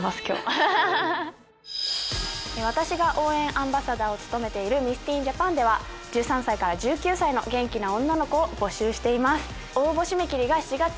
私が応援アンバサダーを務める「ミス・ティーン・ジャパン」では１３歳から１９歳の元気な女の子を募集しています。